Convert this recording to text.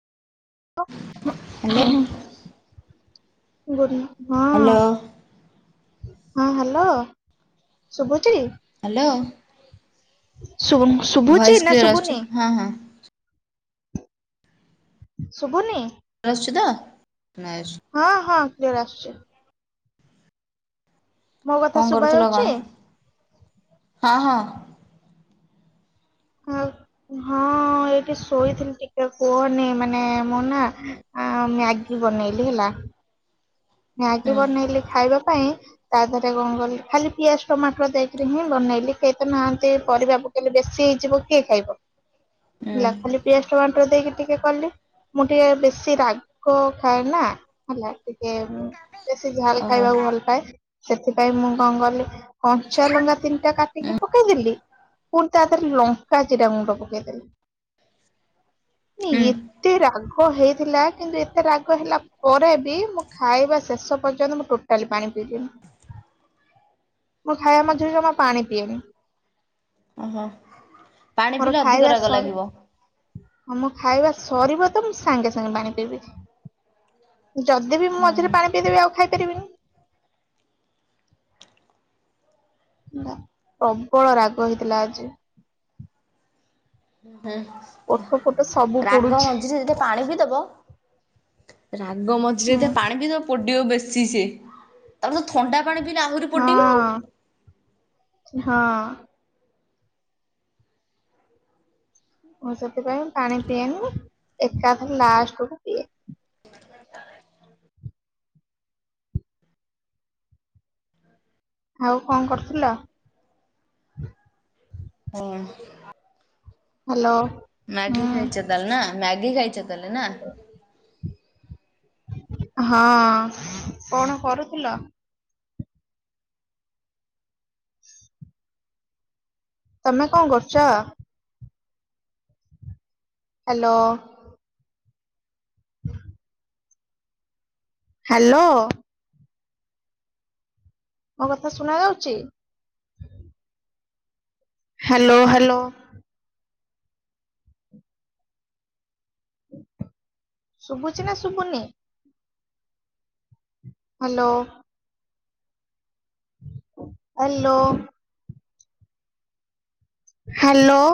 Hello. ଗ ହଁ। Hello. ହଁ ହ୍ୟାଲୋ ଶୁଭୁଚି? ହ୍ୟାଲୋ। ଶୁଭ -ଶୁଭୁଛି ଭଏସ୍ ନା କ୍ଲିୟର ଆସୁଛି ଶୁଭୁନି? ହଁ ହଁ। ଶୁଭୁନି? ଆସୁଚି ତ? ହଁ ହଁ କ୍ଲିଅର ଆସୁଛି। ମୋ କଥା କଣ ଶୁଭା କରୁଥିଲ ଯାଉଛି କଣ, ହଁ ହଁ। ହଁ ଏଇଠି ଶୋଇଥିଲି ଟିକେ କୁହନି ମାନେ ମୁଁ ନା ମ୍ୟାଗି ବନେଇଲି ହେଲା। ମ୍ୟାଗି ହୁଁ ବନେଇଲେ ଖାଇବା ପାଇଁ, ତା ଦେହରେ କଣ କଲି ଖାଲି ପିଆଜ ଟମାଟର ଦେଇକିରି ହିଁ ବନେଇଲି, କେ ହିତ ନାହାନ୍ତି ପରିବା ପକେଇଲେ ବେଶୀ ହେଇଯିବ କିଏ ଖାଇବ, ହୁଁ ହେଲା ଖାଲି ପିଆଜ ଟମାଟର ଦେଇକି ଟିକେ କଲି। ମୁଁ ଟିକେ ବେଶୀ ରାଗ ଖାଏ ନା ହେଲା, ଟିକେ ବେଶୀ ଝାଲ ଓହୋ ଖାଇବାକୁ ଭଲ ପାଏ, ସେଥିପାଇଁ ମୁଁ କଣ କଲି କଞ୍ଚା ଲଙ୍କା ତିନିଟା ହୁଁ କାଟିକି ପକେଇଦଲି, ପୁଣି ତା ତାର ଲଙ୍କା ଜିରା ଗୁଣ୍ଡ ପକେଇଦେଲି। ହୁଁ ମାନେ ଏତେ ରାଗ ହେଇଥିଲା, କିନ୍ତୁ ଏତେ ରାଗ ହେଲା ପରେ ବି ମୁଁ ଖାଇବା ଶେଷ ପର୍ଯ୍ୟନ୍ତ ମୁଁ ଟୋଟାଲି ପାଣି ପିଇଲିନି। ମୁଁ ଖାଇବା ମଝିରେ ଜମା ପାଣି ପିଏନି। ଓହୋ ପାଣି ପିଇଲେ ଅଧିକ ରାଗ ଲାଗିବ। ହଁ ମୋ ଖାଇବା ସରିବ ତ ମୁଁ ସାଙ୍ଗେ ସାଙ୍ଗେ ପାଣି ପିଇବି। ଯଦି ଯଦିବି ମୁଁ ମଝିରେ ହୁଁ ପାଣି ପଇ ଦେବି ଆଉ ଖାଇପାରିବିନି। ପ୍ରବଳ ରାଗ ହେଇଥିଲା ଆଜି। ହୁଁ ଓଠ ଫୋଠ ସବୁ ରାଗ ପୋଡୁଛି ମଝିରେ ଯଦି ପାଣି ପିଇ ଦବ ରାଗ ମଝିରେ ହୁଁ ଯଦି ପାଣି ପିଦେବ ପୋଡିବ ବେଶୀ। ଚି ସିଏ, ତାପରେ ଥଣ୍ଡା ପାଣି ପିଇଲେ ଆହୁରି ପୋଡିବ ଆଉ ହଁ। ହଁ। ମୁଁ ସେଥିପାଇଁ ପାଣି ପିଏନି। ଏକାଥରେ ଲାଷ୍ଟକୁ ପିଏ। ଆଉ କଣ କରୁଥିଲ? ହଁ ହ୍ୟାଲୋ। ମ୍ୟାଗି ହୁଁ ଖାଇଛ ତାହେଲେ ନା। ମ୍ୟାଗି ଖାଇଛ ତାହେଲେ ନା? ଁ ହଁ। କଣ କରୁଥିଲ? ତମେ କଣ କରୁଛ? ହ୍ୟାଲୋ ହ୍ୟାଲୋ ମୋ କଥା ଶୁଣା ଯାଉଛି? ହ୍ୟାଲୋ। ହ୍ୟାଲୋ। ଶୁଭୁଛି ନା ଶୁଭୁନି? ହ୍ୟାଲୋ। ହାଲୋ। ହାଲୋ।